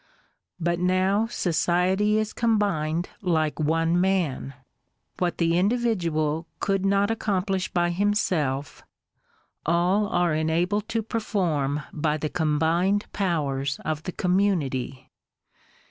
But now society is com bined like one man : what the individual could not accom plish by himself, all are enabled to perform by the combined d2 PURB HI. the community.